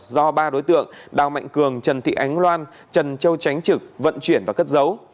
do ba đối tượng đào mạnh cường trần thị ánh loan trần châu tránh trực vận chuyển và cất dấu